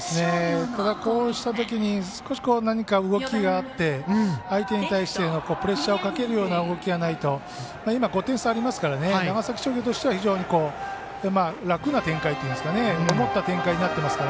こうしたときに少し何か動きがあって相手に対してへのプレッシャーをかけるような動きがないと今、５点差ありますから長崎商業としては非常に楽な展開といいますか思った展開になっていますから。